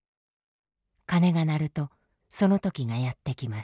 鐘が鳴るとその時がやってきます。